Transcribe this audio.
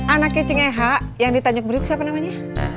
anak kecing ehak yang ditanya ke beliuk siapa namanya